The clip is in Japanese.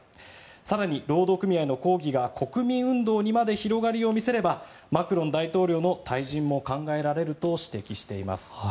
更に労働組合の抗議が国民運動にまで広がりを見せればマクロン大統領の退陣も考えられると指摘しています。